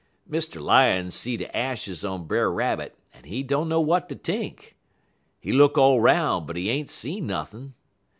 _' "Mr. Lion see de ashes on Brer Rabbit, en he dunner w'at ter t'ink. He look all 'roun', but he ain't see nothin'.